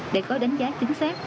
để có đánh giá chính xác